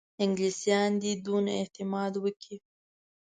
انګلیسیان دي دونه اعتماد وکړي.